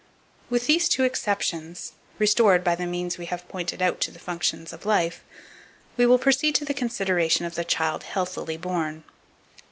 2466. With these two exceptions, restored by the means we have pointed out to the functions of life, we will proceed to the consideration of the child HEALTHILY BORN.